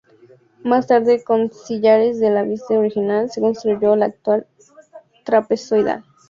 Más tarde, con sillares del ábside original, se construyó la actual, trapezoidal.